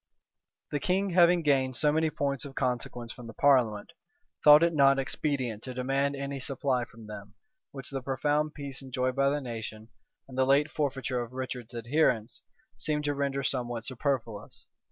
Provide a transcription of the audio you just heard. The king, having gained so many points of consequence from the parliament, thought it not expedient to demand any supply from them, which the profound peace enjoyed by the nation, and the late forfeiture of Richard's adherents, seemed to render somewhat superfluous.